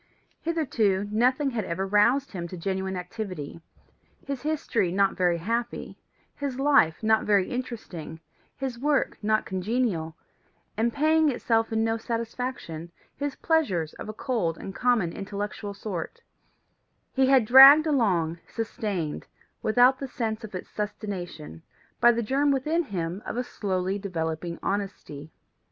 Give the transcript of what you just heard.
Hitherto nothing had ever roused him to genuine activity: his history not very happy; his life not very interesting, his work not congenial, and paying itself in no satisfaction, his pleasures of a cold and common intellectual sort, he had dragged along, sustained, without the sense of its sustentation, by the germ within him of a slowly developing honesty.